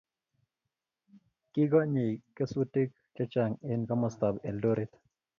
kikonyei kesutik chechang eng komostab Eldoret